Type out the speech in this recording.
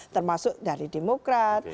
termasuk dari demokrat